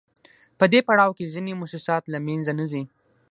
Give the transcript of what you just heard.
په دې پړاو کې ځینې موسسات له منځه نه ځي